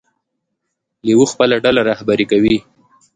لیوه خپله ډله رهبري کوي.